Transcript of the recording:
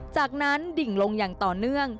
จากนั้นดิ่งลงอย่างต่อเนื่อง